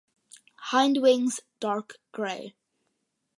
Hindwings dark grey.